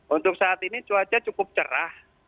untuk saat ini cuaca cukup cerah